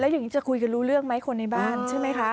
อย่างนี้จะคุยกันรู้เรื่องไหมคนในบ้านใช่ไหมคะ